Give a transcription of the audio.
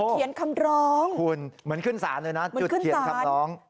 เหมือนขึ้นศาลเลยนะจุดเขียนคำร้อง